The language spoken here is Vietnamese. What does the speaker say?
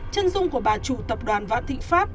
chân dung của bà chủ tập đoàn vạn thịnh pháp